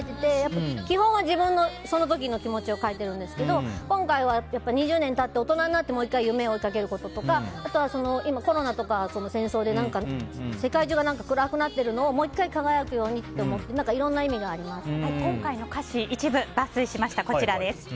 基本は自分のその時の気持ちを書いてるんですけど今回は２０年経って大人になってもう１回夢を追いかけることとかあと今、コロナとか戦争で世界中が暗くなってるのをもう１回輝くようにとか今回の歌詞一部、抜粋しました。